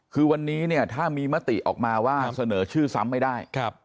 คือวันนี้เนี่ยถ้ามีมติออกมาว่าเสนอชื่อซ้ำไม่ได้